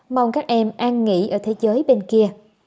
mong các em an nghỉ ở thế giới bên kia